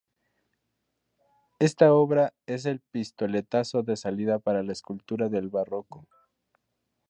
Esta obra es el pistoletazo de salida para la escultura del barroco.